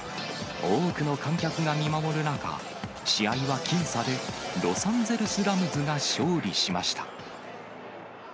多くの観客が見守る中、試合は僅差でロサンゼルス・ラムズが勝利しました。